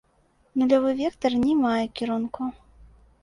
Нулявы вектар не мае кірунку.